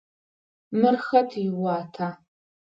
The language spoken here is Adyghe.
Мыр хэт иуата?